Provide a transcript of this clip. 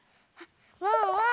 ワンワーン